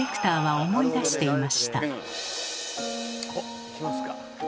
その時おっいきますか。